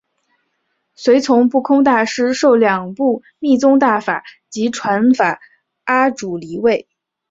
随从不空大师受两部密宗大法及传法阿阇黎位。